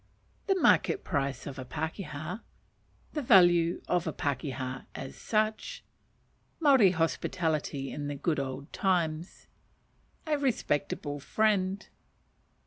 The Market Price of a Pakeha. The Value of a Pakeha "as such." Maori Hospitality in the Good Old Times. A respectable Friend.